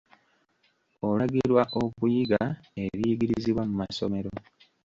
Olagirwa okuyiga ebiyigirizibwa mu masomero.